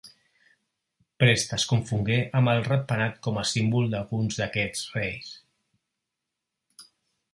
Prest es confongué amb el ratpenat com a símbol d’alguns d’aquests reis.